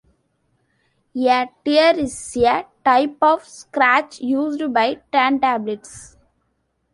A tear is a type of scratch used by turntablists.